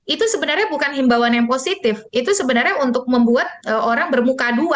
itu sebenarnya bukan himbawan yang positif itu sebenarnya untuk membuat orang bermuka dua